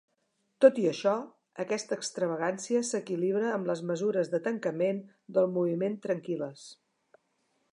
Tot i això, aquesta extravagància s'equilibra amb les mesures de tancament del moviment tranquil·les.